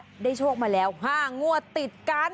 ได้โชคมาแล้ว๕งวดติดกัน